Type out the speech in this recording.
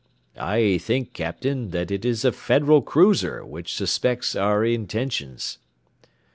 "I think, Captain, that it is a Federal cruiser, which suspects our intentions."